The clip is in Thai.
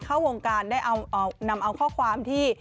เข้าวงการได้นำเอาข้อความที่